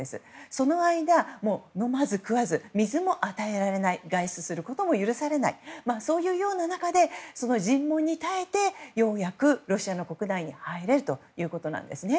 その間、飲まず食わず水も与えられない外出することも許されないという中で尋問に耐えてようやくロシア国内に入れるということです。